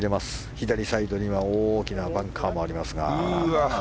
左サイドには大きなバンカーもあります。